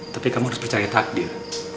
tapi kamu harus percaya takdir